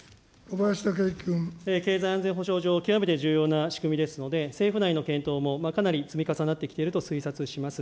経済安全保障上、極めて重要な仕組みですので、政府内の検討もかなり積み重なってきているものと推察いたします。